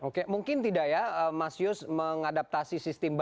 oke mungkin tidak ya mas yus mengadaptasi sistemnya